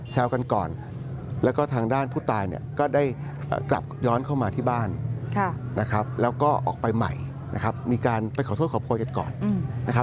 กันก่อนแล้วก็ทางด้านผู้ตายเนี่ยก็ได้กลับย้อนเข้ามาที่บ้านนะครับแล้วก็ออกไปใหม่นะครับมีการไปขอโทษขอโพยกันก่อนนะครับ